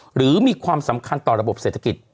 หรือมีความสำคัญต่อระบบเศรษฐกิจ